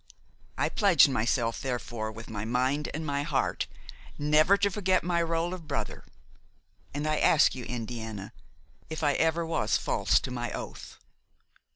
I pledged myself therefore with my mind and my heart never to forget my rôle of brother, and I ask you, Indiana, if I ever was false to my oath.